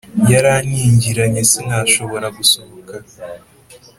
Yarankingiranye sinashobora gusohoka,